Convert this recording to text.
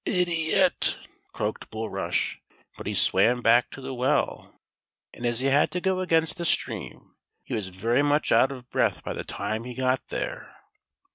" Idiot 1 " croaked Bulrush ; but he swam back to the well, and as he had to go against the stream, he was very much out of breath by the time he got there.